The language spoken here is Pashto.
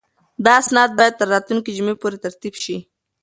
دا اسناد باید تر راتلونکې جمعې پورې ترتیب شي.